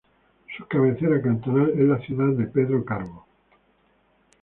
Su cabecera cantonal es la ciudad de Pedro Carbo.